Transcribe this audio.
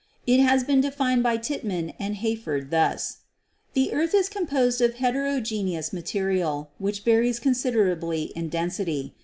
It has been defined by Tittmann and Hayford thus: "The earth is composed of heterogeneous material which varies considerably in density.